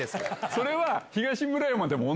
それは。